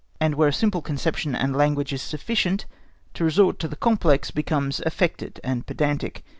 And where a simple conception and language is sufficient, to resort to the complex becomes affected and pedantic.